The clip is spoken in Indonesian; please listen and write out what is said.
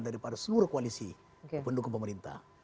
daripada seluruh koalisi pendukung pemerintah